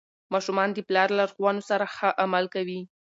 ماشومان د پلار لارښوونو سره ښه عمل کوي.